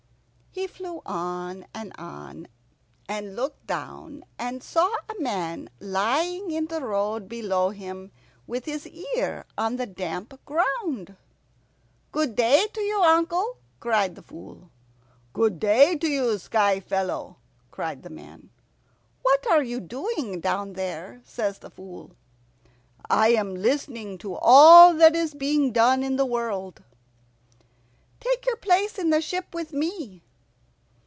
He flew on and on, and looked down, and saw a man lying in the road below him with his ear on the damp ground. "Good day to you, uncle," cried the Fool. "Good day to you, Sky fellow," cried the man. "What are you doing down there?" says the Fool. "I am listening to all that is being done in the world." "Take your place in the ship with me."